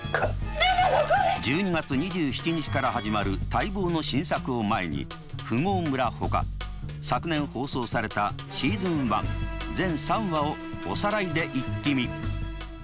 １２月２７日から始まる待望の新作を前に「富豪村」ほか昨年放送されたシーズン１全３話をおさらいでイッキ見！